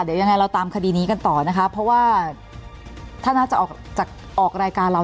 เดี๋ยวยังไงเราตามคดีนี้กันต่อนะคะเพราะว่าถ้าน่าจะออกจากออกรายการเรา